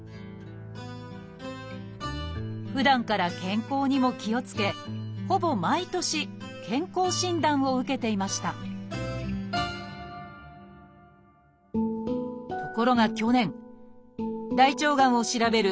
ふだんから健康にも気をつけほぼ毎年健康診断を受けていましたところが去年大腸がんを調べる